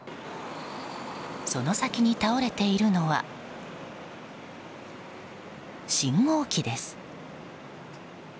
その先に倒れているのは信号機です。